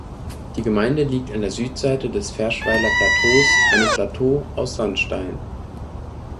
Die Gemeinde liegt an der Südseite des Ferschweiler-Plateaus, einem Plateau aus Sandstein.